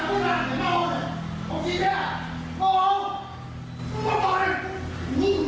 มีหมายสารในที่พี่ลูก